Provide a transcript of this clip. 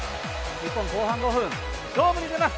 日本、後半５分、勝負に出ます。